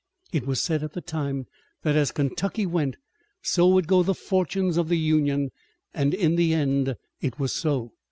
It was said at the time that as Kentucky went, so would go the fortunes of the Union and in the end it was so.